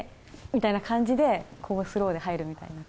みたいな感じで、こうスローで入るみたいな、